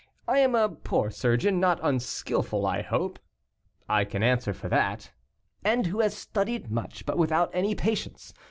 I am a poor surgeon, not unskilful, I hope." "I can answer for that." "And who has studied much, but without any patients.